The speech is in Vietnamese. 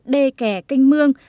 đề kẻ canh mương